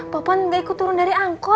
popon gak ikut turun dari angkot